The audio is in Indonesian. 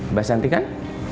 mbak santi kan